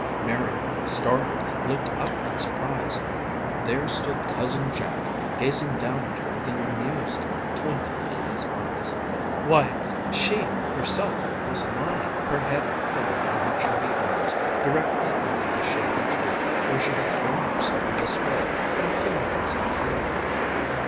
Mary, startled, looked up in surprise. There stood cousin Jack gazing down at her with an amused twinkle in his eyes; why! she, herself, was lying, her head pillowed on her chubby arms, directly under the shady tree where she had thrown herself in despair but a few moments before.